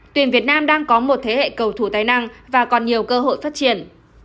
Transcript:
tuyển việt nam đang có một thế hệ cầu thủ tài năng và còn nhiều cơ hội phát triển